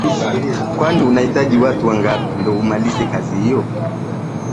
Kwani unahitaji watu wangapi ndo umalize kazi hiyo